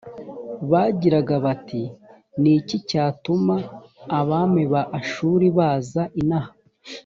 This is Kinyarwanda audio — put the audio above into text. bagiraga bati ni iki cyatuma abami ba ashuri baza inaha